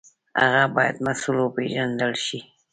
هغه باید مسوول وپېژندل شي.